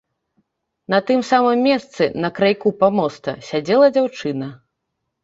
На тым самым месцы, на крайку памоста, сядзела дзяўчына.